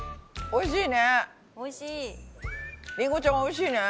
おいしい！